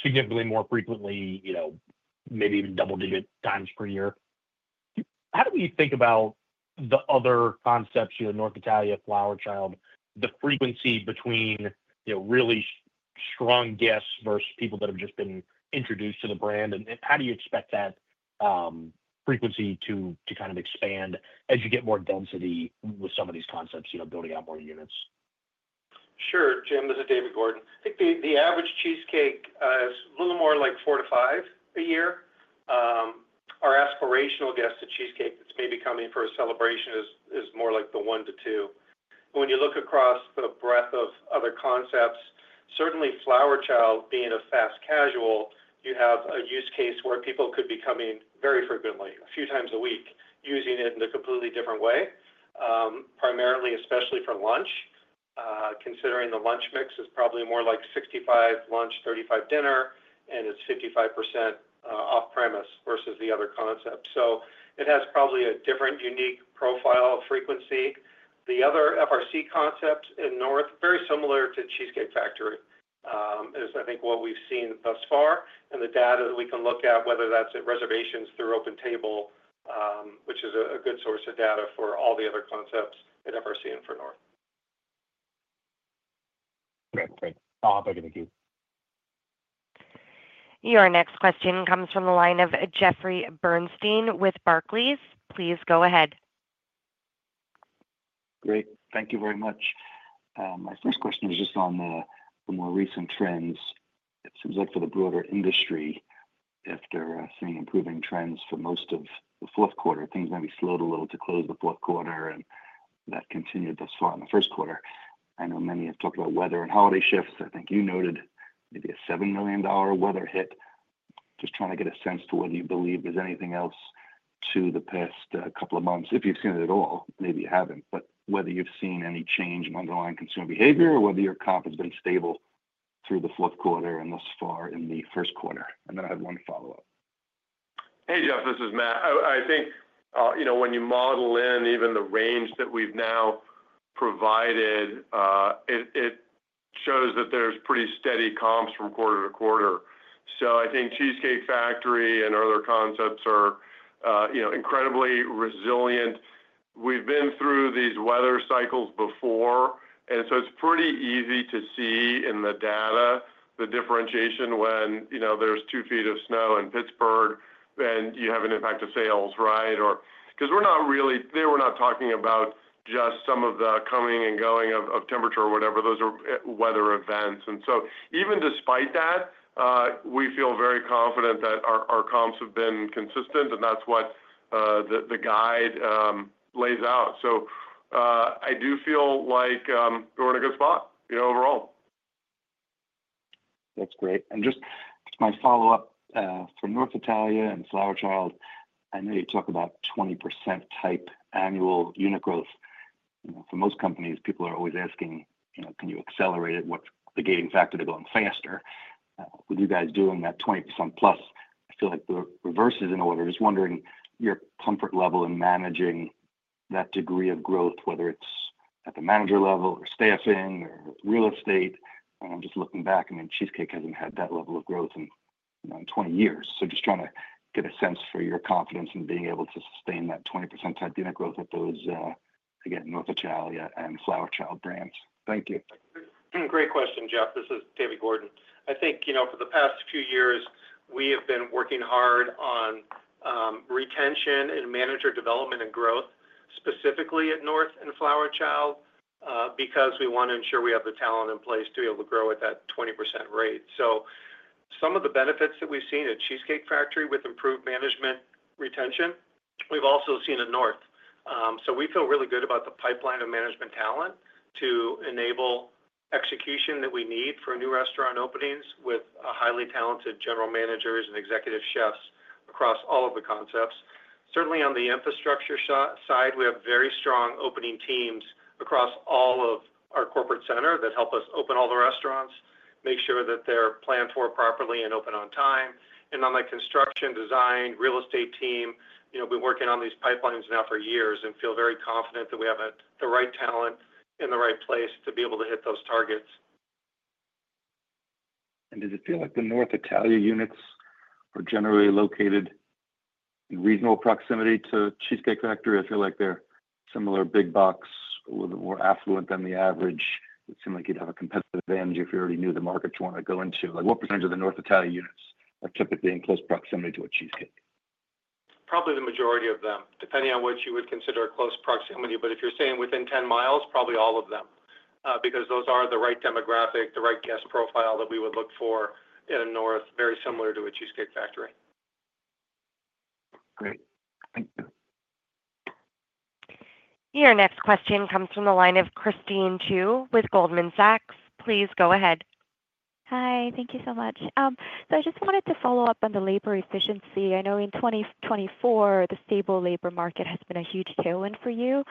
significantly more frequently, maybe even double-digit times per year. How do we think about the other concepts, North Italia, Flower Child, the frequency between really strong guests versus people that have just been introduced to the brand? And how do you expect that frequency to kind of expand as you get more density with some of these concepts, building out more units? Sure. Jim, this is David Gordon. I think the average Cheesecake is a little more like four to five a year. Our aspirational guest to Cheesecake that's maybe coming for a celebration is more like the one to two. When you look across the breadth of other concepts, certainly Flower Child being a fast casual, you have a use case where people could be coming very frequently, a few times a week, using it in a completely different way, primarily especially for lunch, considering the lunch mix is probably more like 65% lunch, 35% dinner, and it's 55% off-premise versus the other concept. So it has probably a different unique profile of frequency. The other FRC concept, North Italia, very similar to Cheesecake Factory, is, I think, what we've seen thus far and the data that we can look at, whether that's reservations through OpenTable, which is a good source of data for all the other concepts at FRC and for North Italia. Great. Great. I'll hop back in the queue. Your next question comes from the line of Jeffrey Bernstein with Barclays. Please go ahead. Great. Thank you very much. My first question is just on the more recent trends. It seems like for the broader industry, after seeing improving trends for most of the Q4, things maybe slowed a little to close the Q4, and that continued thus far in the Q1. I know many have talked about weather and holiday shifts. I think you noted maybe a $7 million weather hit. Just trying to get a sense to whether you believe there's anything else to the past couple of months, if you've seen it at all. Maybe you haven't, but whether you've seen any change in underlying consumer behavior or whether your comp has been stable through the Q4 and thus far in the Q1. And then I have one follow-up. Hey, Jeff, this is Matt. I think when you model in even the range that we've now provided, it shows that there's pretty steady comps from quarter to quarter. So I think Cheesecake Factory and other concepts are incredibly resilient. We've been through these weather cycles before, and so it's pretty easy to see in the data the differentiation when there's two feet of snow in Pittsburgh and you have an impact of sales, right? Because they were not talking about just some of the coming and going of temperature or whatever. Those are weather events. And so even despite that, we feel very confident that our comps have been consistent, and that's what the guide lays out. So I do feel like we're in a good spot overall. That's great. And just my follow-up for North Italia and Flower Child, I know you talk about 20% type annual unit growth. For most companies, people are always asking, "Can you accelerate it? What's the gating factor to going faster?" With you guys doing that 20% plus, I feel like the reverse is in order. Just wondering your comfort level in managing that degree of growth, whether it's at the manager level or staffing or real estate. And I'm just looking back, I mean, Cheesecake hasn't had that level of growth in 20 years. So just trying to get a sense for your confidence in being able to sustain that 20% type unit growth at those, again, North Italia and Flower Child brands. Thank you. Great question, Jeff. This is David Gordon. I think for the past few years, we have been working hard on retention and manager development and growth, specifically at North and Flower Child, because we want to ensure we have the talent in place to be able to grow at that 20% rate. So some of the benefits that we've seen at Cheesecake Factory with improved management retention, we've also seen at North. So we feel really good about the pipeline of management talent to enable execution that we need for new restaurant openings with highly talented general managers and executive chefs across all of the concepts. Certainly on the infrastructure side, we have very strong opening teams across all of our corporate center that help us open all the restaurants, make sure that they're planned for properly and open on time. On the construction design real estate team, we've been working on these pipelines now for years and feel very confident that we have the right talent in the right place to be able to hit those targets. And does it feel like the North Italia units are generally located in reasonable proximity to Cheesecake Factory? I feel like they're similar big box, a little bit more affluent than the average. It seemed like you'd have a competitive advantage if you already knew the market you wanted to go into. What percentage of the North Italia units are typically in close proximity to a Cheesecake? Probably the majority of them, depending on what you would consider close proximity, but if you're saying within 10 miles, probably all of them, because those are the right demographic, the right guest profile that we would look for in a North Italia very similar to a Cheesecake Factory. Great. Thank you. Your next question comes from the line of Christine Cho with Goldman Sachs. Please go ahead. Hi. Thank you so much. So I just wanted to follow up on the labor efficiency. I know in 2024, the stable labor market has been a huge tailwind for you.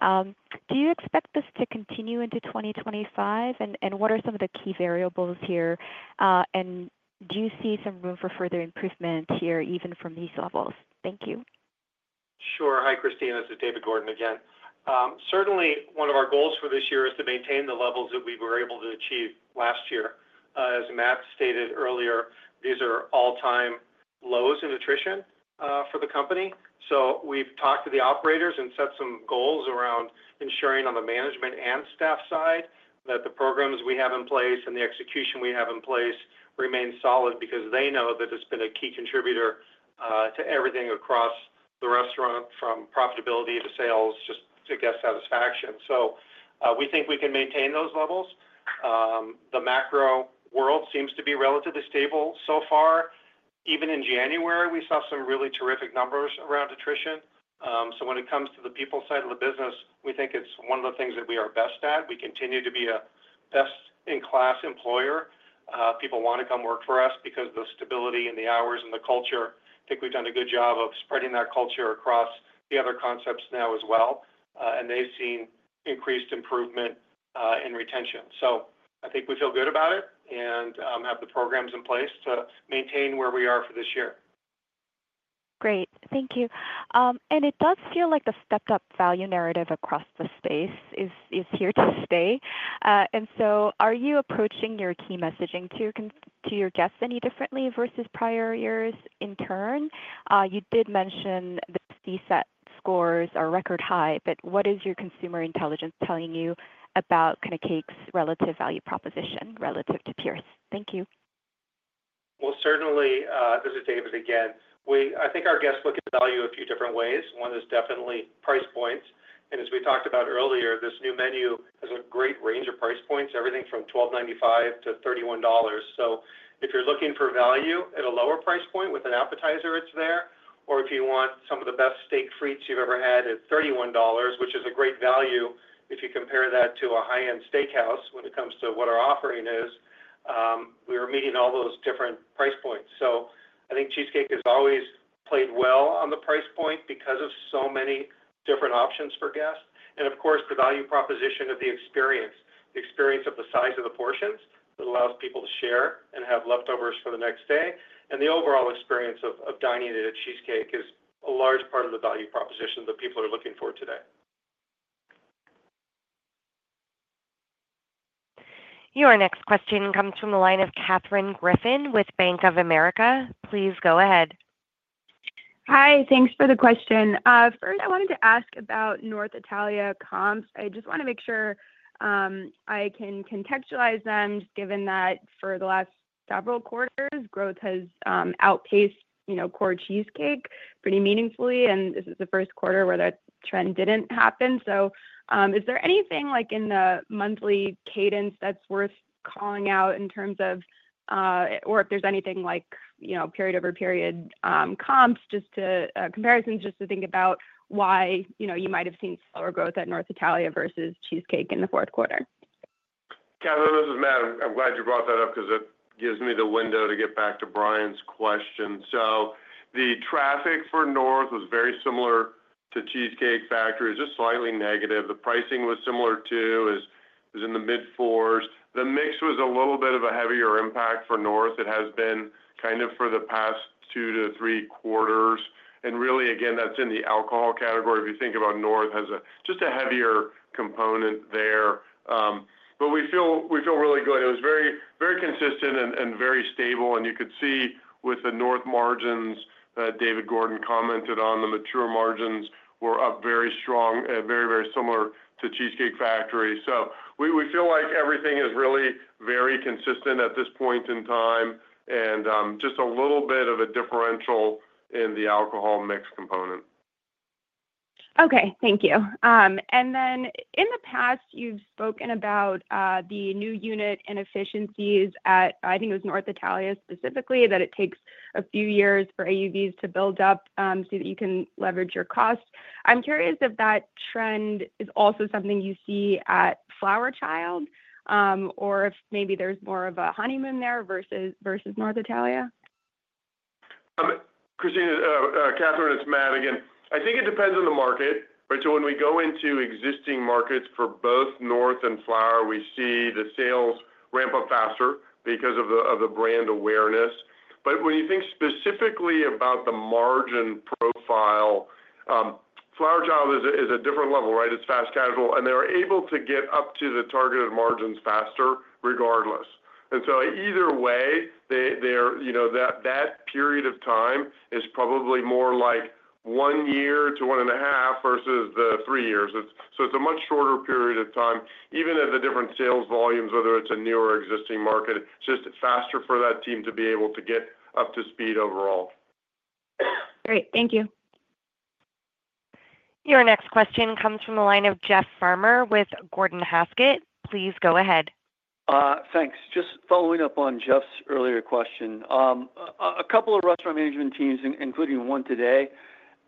Do you expect this to continue into 2025, and what are some of the key variables here? And do you see some room for further improvement here even from these levels? Thank you. Sure. Hi, Christine. This is David Gordon again. Certainly, one of our goals for this year is to maintain the levels that we were able to achieve last year. As Matt stated earlier, these are all-time lows in attrition for the company. So we've talked to the operators and set some goals around ensuring on the management and staff side that the programs we have in place and the execution we have in place remain solid because they know that it's been a key contributor to everything across the restaurant from profitability to sales just to guest satisfaction. So we think we can maintain those levels. The macro world seems to be relatively stable so far. Even in January, we saw some really terrific numbers around attrition. So when it comes to the people side of the business, we think it's one of the things that we are best at. We continue to be a best-in-class employer. People want to come work for us because of the stability and the hours and the culture. I think we've done a good job of spreading that culture across the other concepts now as well. And they've seen increased improvement in retention. So I think we feel good about it and have the programs in place to maintain where we are for this year. Great. Thank you. And it does feel like the stepped-up value narrative across the space is here to stay. And so are you approaching your key messaging to your guests any differently versus prior years in turn? You did mention the CSAT scores are record high, but what is your consumer intelligence telling you about CAKE's relative value proposition relative to peers? Thank you. Certainly, this is David again. I think our guests look at value a few different ways. One is definitely price points. And as we talked about earlier, this new menu has a great range of price points, everything from $12.95 to $31. So if you're looking for value at a lower price point with an appetizer, it's there. Or if you want some of the best steak frites you've ever had at $31, which is a great value if you compare that to a high-end steakhouse when it comes to what our offering is, we are meeting all those different price points. So I think Cheesecake has always played well on the price point because of so many different options for guests. Of course, the value proposition of the experience, the experience of the size of the portions that allows people to share and have leftovers for the next day. The overall experience of dining at a Cheesecake is a large part of the value proposition that people are looking for today. Your next question comes from the line of Katherine Griffin with Bank of America. Please go ahead. Hi. Thanks for the question. First, I wanted to ask about North Italia comps. I just want to make sure I can contextualize them, given that for the last several quarters, growth has outpaced core Cheesecake pretty meaningfully. And this is the Q1 where that trend didn't happen. So is there anything in the monthly cadence that's worth calling out in terms of, or if there's anything like period-over-period comps, comparisons to think about why you might have seen slower growth at North Italia versus Cheesecake in the Q4? Katherine, this is Matt. I'm glad you brought that up because it gives me the window to get back to Brian's question. So the traffic for North was very similar to Cheesecake Factory, just slightly negative. The pricing was similar too, was in the mid-fours. The mix was a little bit of a heavier impact for North. It has been kind of for the past two to three quarters. And really, again, that's in the alcohol category. If you think about North, it has just a heavier component there. But we feel really good. It was very consistent and very stable. And you could see with the North margins that David Gordon commented on, the mature margins were up very strong, very, very similar to Cheesecake Factory. So we feel like everything is really very consistent at this point in time and just a little bit of a differential in the alcohol mix component. Okay. Thank you. And then in the past, you've spoken about the new unit inefficiencies at, I think it was North Italia specifically, that it takes a few years for AUVs to build up so that you can leverage your costs. I'm curious if that trend is also something you see at Flower Child or if maybe there's more of a honeymoon there versus North Italia? Christine, Katherine, it's Matt again. I think it depends on the market. So when we go into existing markets for both North and Flower, we see the sales ramp up faster because of the brand awareness. But when you think specifically about the margin profile, Flower Child is a different level, right? It's fast casual, and they're able to get up to the targeted margins faster regardless. And so either way, that period of time is probably more like one year to one and a half versus the three years. So it's a much shorter period of time, even at the different sales volumes, whether it's a new or existing market, just faster for that team to be able to get up to speed overall. Great. Thank you. Your next question comes from the line of Jeff Farmer with Gordon Haskett. Please go ahead. Thanks. Just following up on Jeff's earlier question, a couple of restaurant management teams, including one today,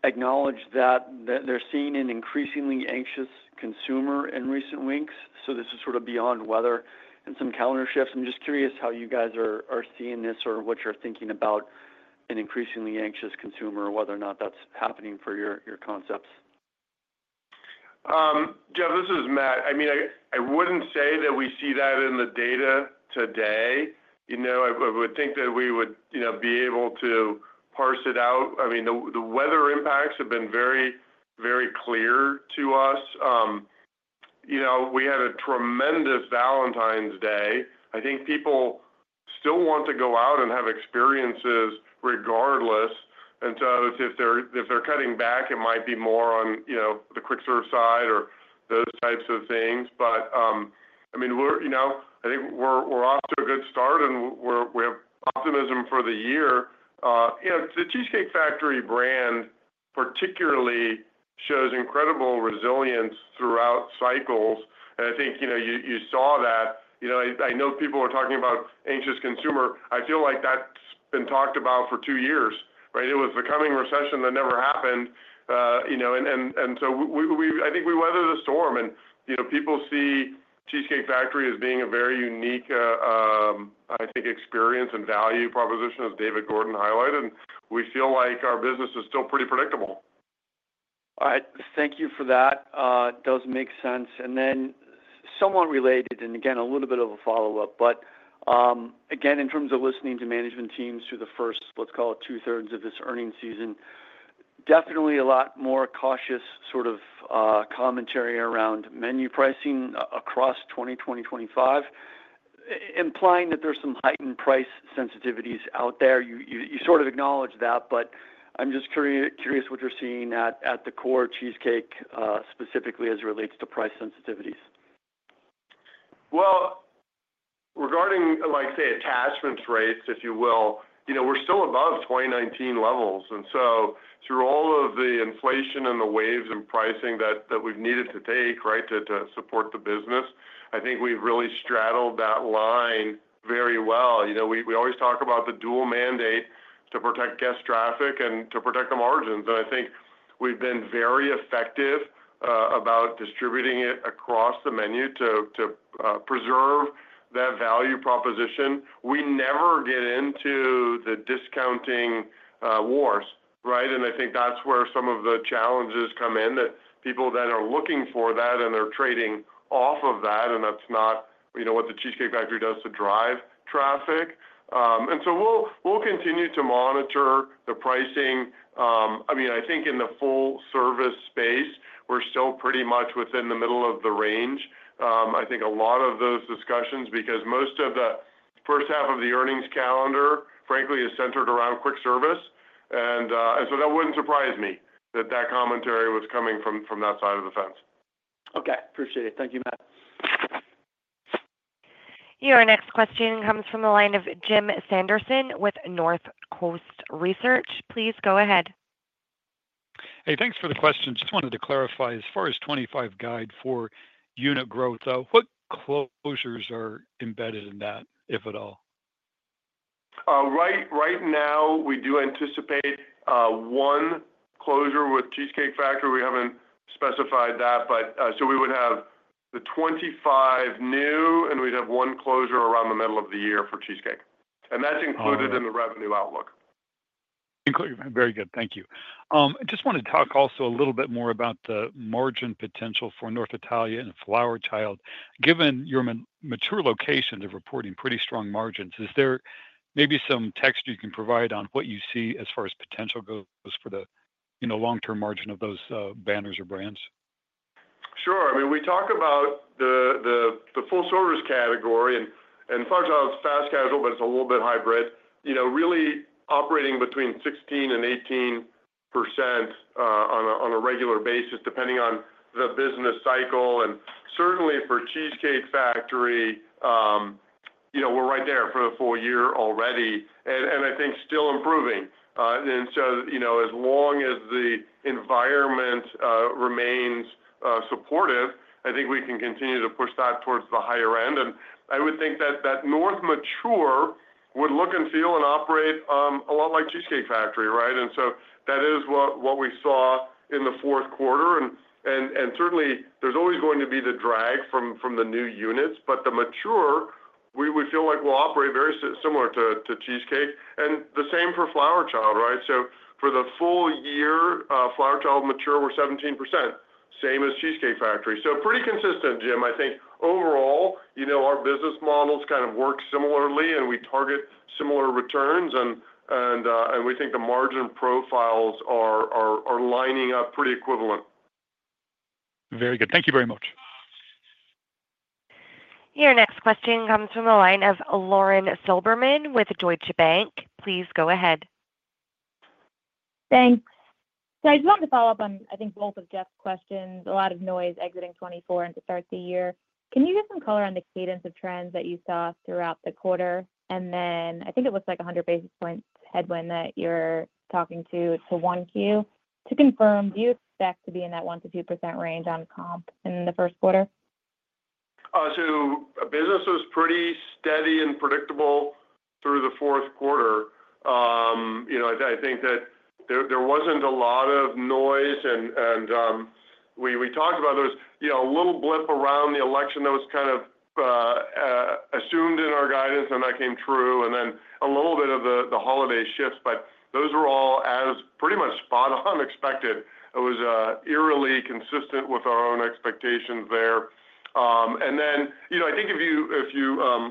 acknowledged that they're seeing an increasingly anxious consumer in recent weeks. So this is sort of beyond weather and some calendar shifts. I'm just curious how you guys are seeing this or what you're thinking about an increasingly anxious consumer, whether or not that's happening for your concepts? Jeff, this is Matt. I mean, I wouldn't say that we see that in the data today. I would think that we would be able to parse it out. I mean, the weather impacts have been very, very clear to us. We had a tremendous Valentine's Day. I think people still want to go out and have experiences regardless. And so if they're cutting back, it might be more on the quick-serve side or those types of things. But I mean, I think we're off to a good start, and we have optimism for the year. The Cheesecake Factory brand particularly shows incredible resilience throughout cycles. And I think you saw that. I know people are talking about anxious consumer. I feel like that's been talked about for two years, right? It was the coming recession that never happened. And so I think we weathered the storm, and people see Cheesecake Factory as being a very unique, I think, experience and value proposition, as David Gordon highlighted. And we feel like our business is still pretty predictable. Thank you for that. It does make sense. And then somewhat related, and again, a little bit of a follow-up, but again, in terms of listening to management teams through the first, let's call it two-thirds of this earnings season, definitely a lot more cautious sort of commentary around menu pricing across 2020-2025, implying that there's some heightened price sensitivities out there. You sort of acknowledge that, but I'm just curious what you're seeing at the core Cheesecake specifically as it relates to price sensitivities. Regarding, say, attachment rates, if you will, we're still above 2019 levels. Through all of the inflation and the waves in pricing that we've needed to take, right, to support the business, I think we've really straddled that line very well. We always talk about the dual mandate to protect guest traffic and to protect the margins. I think we've been very effective about distributing it across the menu to preserve that value proposition. We never get into the discounting wars, right? I think that's where some of the challenges come in, that people that are looking for that and they're trading off of that. That's not what The Cheesecake Factory does to drive traffic. We'll continue to monitor the pricing. I mean, I think in the full-service space, we're still pretty much within the middle of the range. I think a lot of those discussions, because most of the first half of the earnings calendar, frankly, is centered around quick-service, and so that wouldn't surprise me that that commentary was coming from that side of the fence. Okay. Appreciate it. Thank you, Matt. Your next question comes from the line of Jim Sanderson with North Coast Research. Please go ahead. Hey, thanks for the question. Just wanted to clarify, as far as 25 guide for unit growth, what closures are embedded in that, if at all? Right now, we do anticipate one closure with Cheesecake Factory. We haven't specified that. So we would have the 25 new, and we'd have one closure around the middle of the year for Cheesecake. And that's included in the revenue outlook. Very good. Thank you. I just want to talk also a little bit more about the margin potential for North Italia and Flower Child. Given your mature locations are reporting pretty strong margins, is there maybe some context you can provide on what you see as far as potential goes for the long-term margin of those banners or brands? Sure. I mean, we talk about the full-service category, and Flower Child's fast casual, but it's a little bit hybrid, really operating between 16% and 18% on a regular basis, depending on the business cycle. And certainly for Cheesecake Factory, we're right there for the full year already, and I think still improving. And so as long as the environment remains supportive, I think we can continue to push that towards the higher end. And I would think that North Italia would look and feel and operate a lot like Cheesecake Factory, right? And so that is what we saw in the Q4. And certainly, there's always going to be the drag from the new units. But the mature, we feel like we'll operate very similar to Cheesecake. And the same for Flower Child, right? So for the full year, Flower Child mature were 17%, same as Cheesecake Factory. So pretty consistent, Jim, I think. Overall, our business models kind of work similarly, and we target similar returns. And we think the margin profiles are lining up pretty equivalent. Very good. Thank you very much. Your next question comes from the line of Lauren Silberman with Deutsche Bank. Please go ahead. Thanks. So I just wanted to follow up on, I think, both of Jeff's questions. A lot of noise exiting 2024 and to start the year. Can you give some color on the cadence of trends that you saw throughout the quarter? And then I think it looks like a 100 basis point headwind that you're talking to, to Q1. To confirm, do you expect to be in that 1% to 2% range on comp in the Q1? So business was pretty steady and predictable through the Q4. I think that there wasn't a lot of noise. And we talked about there was a little blip around the election that was kind of assumed in our guidance, and that came true. And then a little bit of the holiday shifts, but those were all pretty much spot-on expected. It was eerily consistent with our own expectations there. And then I think if you,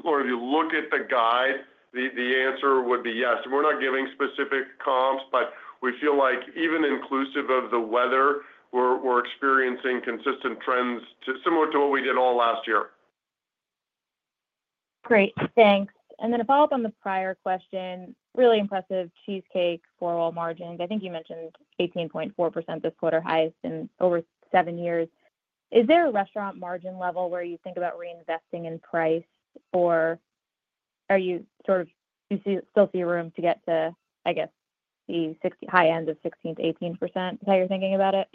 Lauren, if you look at the guide, the answer would be yes. We're not giving specific comps, but we feel like even inclusive of the weather, we're experiencing consistent trends similar to what we did all last year. Great. Thanks. And then a follow-up on the prior question, really impressive Cheesecake Factory margins. I think you mentioned 18.4% this quarter, highest in over seven years. Is there a restaurant margin level where you think about reinvesting in price, or do you still see room to get to, I guess, the high end of 16% to 18%? Is that how you're thinking about it?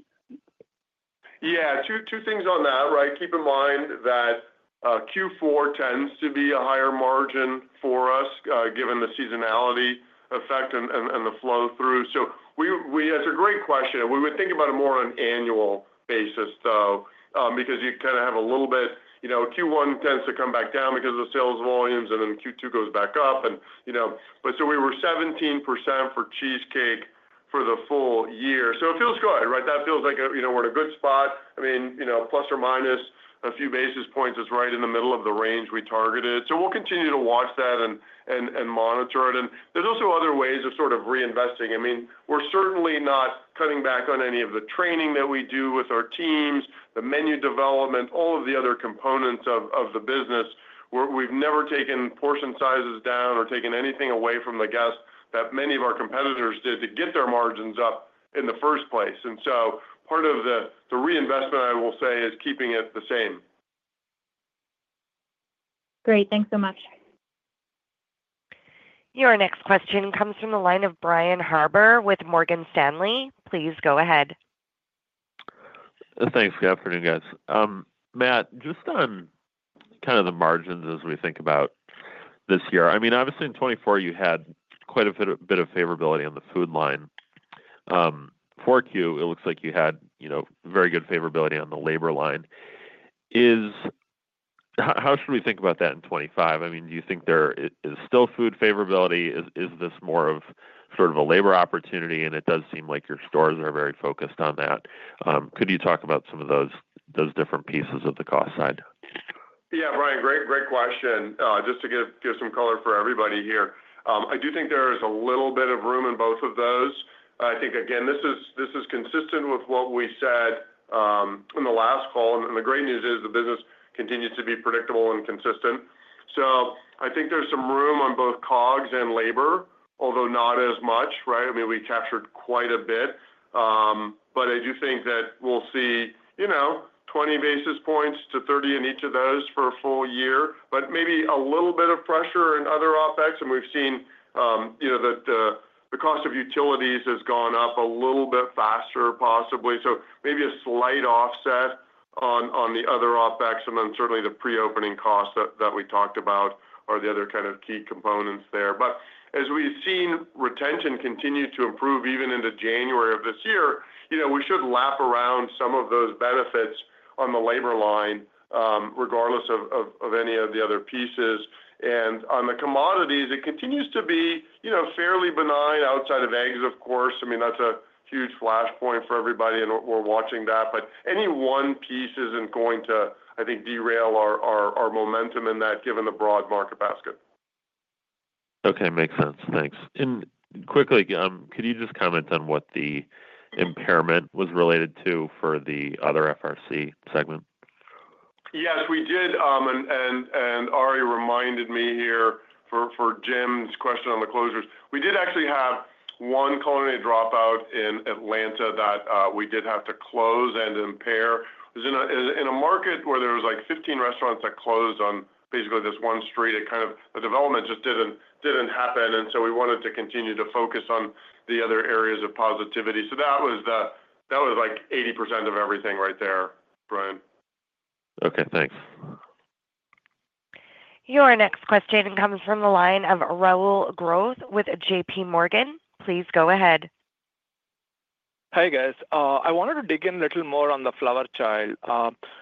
Yeah. Two things on that, right? Keep in mind that Q4 tends to be a higher margin for us, given the seasonality effect and the flow through. So that's a great question. We would think about it more on an annual basis, though, because you kind of have a little bit Q1 tends to come back down because of the sales volumes, and then Q2 goes back up. And so we were 17% for Cheesecake for the full year. So it feels good, right? That feels like we're in a good spot. I mean, plus or minus a few basis points is right in the middle of the range we targeted. So we'll continue to watch that and monitor it. And there's also other ways of sort of reinvesting. I mean, we're certainly not cutting back on any of the training that we do with our teams, the menu development, all of the other components of the business. We've never taken portion sizes down or taken anything away from the guests that many of our competitors did to get their margins up in the first place. And so part of the reinvestment, I will say, is keeping it the same. Great. Thanks so much. Your next question comes from the line of Brian Harbour with Morgan Stanley. Please go ahead. Thanks for the afternoon, guys. Matt, just on kind of the margins as we think about this year. I mean, obviously, in 2024, you had quite a bit of favorability on the food line. For queue, it looks like you had very good favorability on the labor line. How should we think about that in 2025? I mean, do you think there is still food favorability? Is this more of sort of a labor opportunity, and it does seem like your stores are very focused on that. Could you talk about some of those different pieces of the cost side? Yeah, Brian, great question. Just to give some color for everybody here, I do think there is a little bit of room in both of those. I think, again, this is consistent with what we said in the last call. And the great news is the business continues to be predictable and consistent. So I think there's some room on both COGS and labor, although not as much, right? I mean, we captured quite a bit. But I do think that we'll see 20 to 30 basis points in each of those for a full year, but maybe a little bit of pressure in other OpEx. And we've seen that the cost of utilities has gone up a little bit faster, possibly. So maybe a slight offset on the other OpEx. And then certainly, the pre-opening costs that we talked about are the other kind of key components there. But as we've seen retention continue to improve even into January of this year, we should lap around some of those benefits on the labor line, regardless of any of the other pieces. And on the commodities, it continues to be fairly benign outside of eggs, of course. I mean, that's a huge flashpoint for everybody, and we're watching that. But any one piece isn't going to, I think, derail our momentum in that, given the broad market basket. Okay. Makes sense. Thanks. And quickly, could you just comment on what the impairment was related to for the other FRC segment? Yes, we did. And Ari reminded me here for Jim's question on the closures. We did actually have one Culinary Dropout in Atlanta that we did have to close and impair. In a market where there were like 15 restaurants that closed on basically this one street, kind of the development just didn't happen. And so we wanted to continue to focus on the other areas of positivity. So that was like 80% of everything right there, Brian. Okay. Thanks. Your next question comes from the line of Rahul Krotthapalli with J.P. Morgan. Please go ahead. Hi guys. I wanted to dig in a little more on the Flower Child.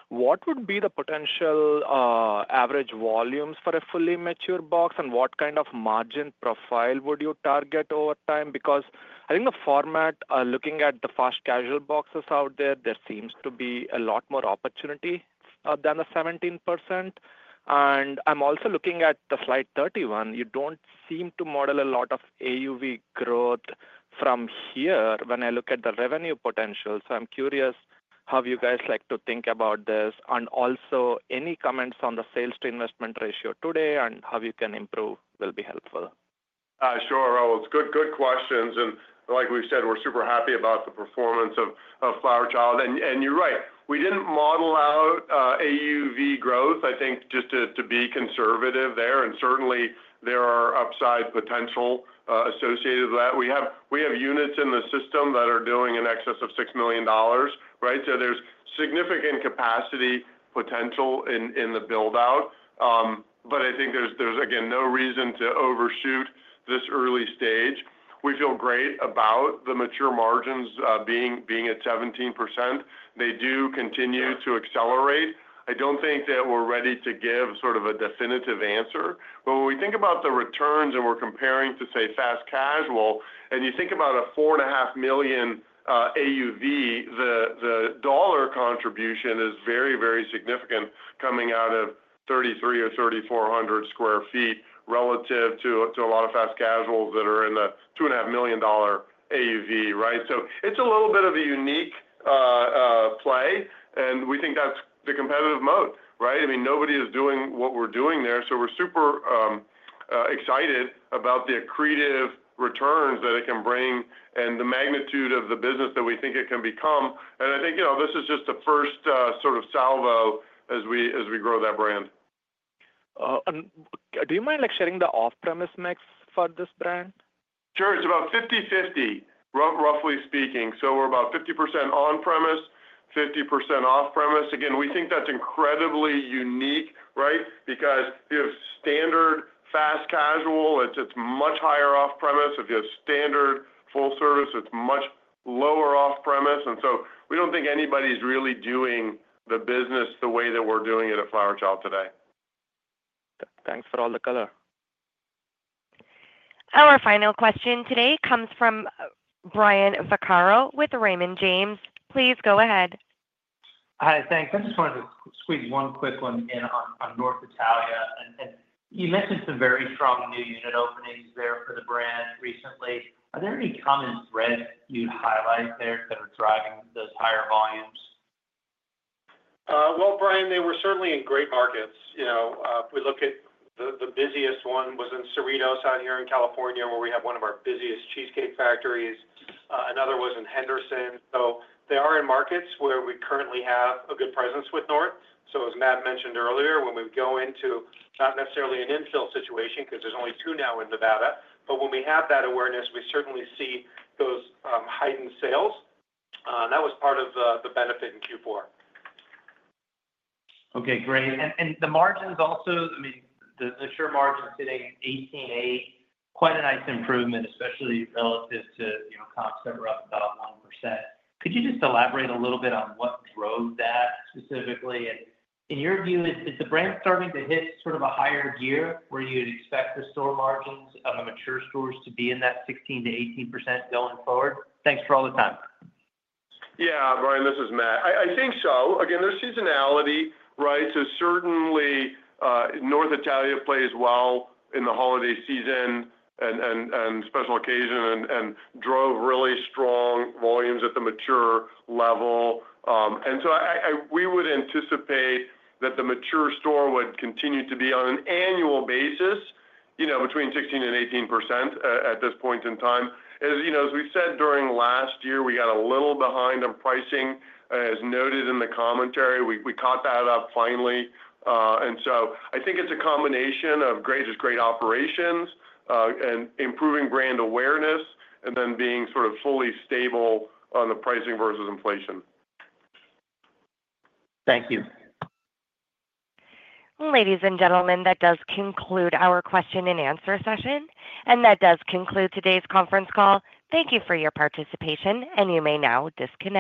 What would be the potential average volumes for a fully mature box, and what kind of margin profile would you target over time? Because I think the format, looking at the fast casual boxes out there, there seems to be a lot more opportunity than the 17%. And I'm also looking at Slide 31. You don't seem to model a lot of AUV growth from here when I look at the revenue potential. So I'm curious how you guys like to think about this. And also, any comments on the sales-to-investment ratio today and how you can improve will be helpful. Sure, Rahul. It's good questions. And like we said, we're super happy about the performance of Flower Child. And you're right. We didn't model out AUV growth, I think, just to be conservative there. And certainly, there are upside potential associated with that. We have units in the system that are doing in excess of $6 million, right? So there's significant capacity potential in the build-out. But I think there's, again, no reason to overshoot this early stage. We feel great about the mature margins being at 17%. They do continue to accelerate. I don't think that we're ready to give sort of a definitive answer. But when we think about the returns and we're comparing to, say, fast casual, and you think about a $4.5 million AUV, the dollar contribution is very, very significant coming out of 3,300 or 3,400sq ft relative to a lot of fast casuals that are in the $2.5 million AUV, right? So it's a little bit of a unique play. And we think that's the competitive moat, right? I mean, nobody is doing what we're doing there. So we're super excited about the accretive returns that it can bring and the magnitude of the business that we think it can become. And I think this is just the first sort of salvo as we grow that brand. Do you mind sharing the off-premise mix for this brand? Sure. It's about 50/50, roughly speaking. So we're about 50% on-premise, 50% off-premise. Again, we think that's incredibly unique, right? Because if you have standard fast casual, it's much higher off-premise. If you have standard full service, it's much lower off-premise. And so we don't think anybody's really doing the business the way that we're doing it at Flower Child today. Thanks for all the color. Our final question today comes from Brian Vaccaro with Raymond James. Please go ahead. Hi, thanks. I just wanted to squeeze one quick one in on North Italia. And you mentioned some very strong new unit openings there for the brand recently. Are there any common threads you'd highlight there that are driving those higher volumes? Brian, they were certainly in great markets. If we look at the busiest one, it was in Cerritos out here in California, where we have one of our busiest Cheesecake Factories. Another was in Henderson. So they are in markets where we currently have a good presence with North. So as Matt mentioned earlier, when we go into not necessarily an infill situation because there's only two now in Nevada, but when we have that awareness, we certainly see those heightened sales. That was part of the benefit in Q4. Okay. Great. And the margins also, I mean, the mature margin sitting 18.8%, quite a nice improvement, especially relative to comps that were up about 1%. Could you just elaborate a little bit on what drove that specifically? And in your view, is the brand starting to hit sort of a higher gear where you'd expect the store margins of the mature stores to be in that 16% to 8% going forward? Thanks for all the time. Yeah, Brian, this is Matt. I think so. Again, there's seasonality, right? So certainly, North Italia plays well in the holiday season and special occasion and drove really strong volumes at the mature level. And so we would anticipate that the mature store would continue to be on an annual basis between 16% and 18% at this point in time. As we said during last year, we got a little behind on pricing. As noted in the commentary, we caught that up finally. And so I think it's a combination of great operations and improving brand awareness and then being sort of fully stable on the pricing versus inflation. Thank you. Ladies and gentlemen, that does conclude our question and answer session. And that does conclude today's conference call. Thank you for your participation, and you may now disconnect.